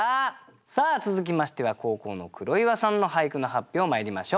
さあ続きましては後攻の黒岩さんの俳句の発表まいりましょう。